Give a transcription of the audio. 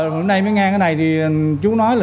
hôm nay mới nghe cái này thì chú nói là